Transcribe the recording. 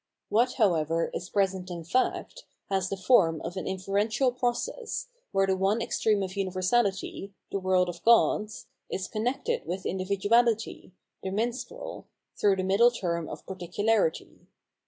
What, however, is present in fact, has the form of an inferential process, where the one extreme of universality, the world of gods, is connected with individuahty, the minstrel, through the middle term of particularity.